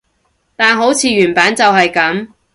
但好似原版就係噉